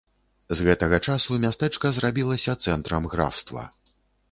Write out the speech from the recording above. З гэтага часу мястэчка зрабілася цэнтрам графства.